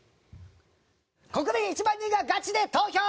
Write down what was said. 「国民１万人がガチで投票！